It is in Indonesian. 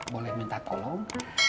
boleh minta tolong